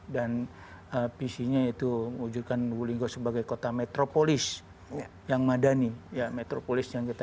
dan visinya itu wujudkan wulinggo sebagai kota metropolis yang madani ya metropolis yang kita